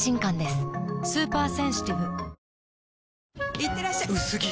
いってらっしゃ薄着！